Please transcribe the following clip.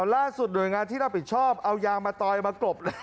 ล่าสุดหน่วยงานที่รับผิดชอบเอายางมาตอยมากรบเลย